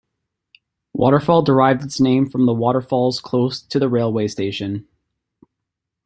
Waterfall derived its name from the waterfalls close to the railway station.